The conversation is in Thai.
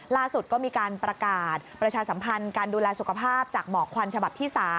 ล่าสุดก็มีการประกาศประชาสัมพันธ์การดูแลสุขภาพจากหมอกควันฉบับที่๓